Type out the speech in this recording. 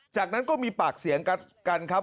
จากนั้นก็มีปากเสียงกันครับ